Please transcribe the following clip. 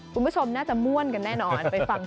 คุณผู้ชมน่าจะม่วนกันแน่นอนไปฟัง